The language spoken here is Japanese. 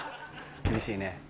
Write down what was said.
厳しいね。